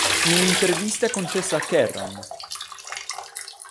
In un'intervista concessa a "Kerrang!